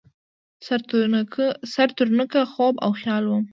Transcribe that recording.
سر ترنوکه خوب او خیال وم